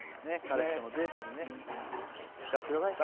彼氏とのデートにね使ってください